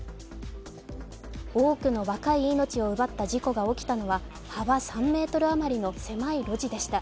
多くの若い命を奪った事故が起きたのは幅３ｍほどの狭い路地でした。